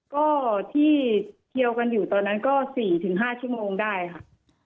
ก็ที่เที่ยวกันอยู่ตอนนั้นก็สี่ถึงห้าชั่วโมงได้ค่ะ